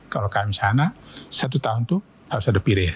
kalau kami sana satu tahun itu harus ada pilih